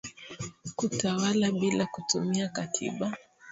Kutawala bila kutumia katiba